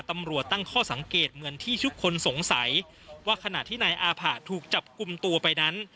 ตำรวจตั้งข้อสังเกตเหมือนที่ทุกคนสงสัยว่าขณะที่นายอาผะถูกจับกลุ่มตัวไปนั้น